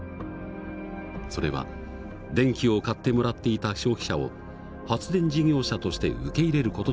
それは電気を買ってもらっていた消費者を発電事業者として受け入れる事でもある。